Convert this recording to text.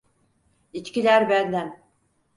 İçkiler benden.